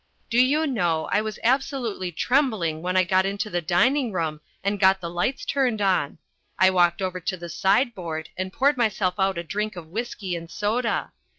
Do you know, I was absolutely trembling when I got into the dining room and got the lights turned on. I walked over to the sideboard and poured myself out a drink of whisky and soda.